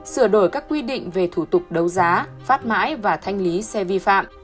sửa đổi các quy định về thủ tục đấu giá phát mãi và thanh lý xe vi phạm